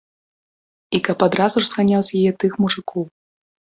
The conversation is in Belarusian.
І каб адразу ж зганяў з яе тых мужыкоў.